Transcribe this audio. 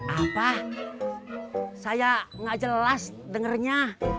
apa saya enggak jelas dengernya